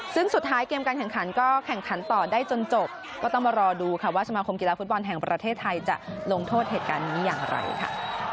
ซึ่งสุดท้ายเกมการแข่งขันก็แข่งขันต่อได้จนจบก็ต้องมารอดูค่ะว่าสมาคมกีฬาฟุตบอลแห่งประเทศไทยจะลงโทษเหตุการณ์นี้อย่างไรค่ะ